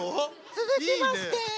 続きまして。